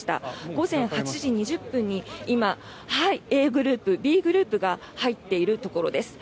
午前８時２０分にＡグループ、Ｂグループが入っているところです。